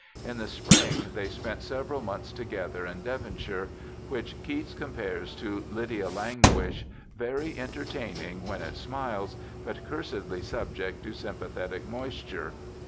In the spring they spent several months together in Devonshire, which Keats compares to Lydia Languish, 'very entertaining when it smiles, but cursedly subject to sympathetic moisture.'